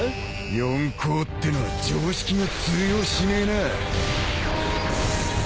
［四皇ってのは常識が通用しねえな］